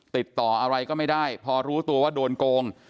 ติดต่ออะไรก็ไม่ได้พอรู้ตัวว่าโดนโกง